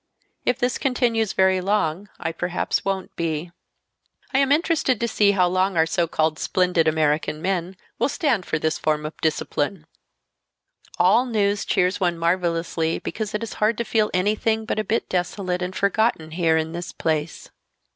If this continues very long I perhaps won't be. I am interested to see how long our so called 'splendid American men' will stand for this form of discipline. "All news cheers one marvelously because it is hard to feel anything but a bit desolate and forgotten here in this place.